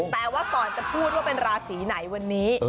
แต่ว่าก่อนจะพูดว่าเป็นราศีไหนวันนี้